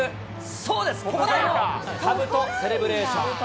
そうです、ここで、かぶとセレブレーション。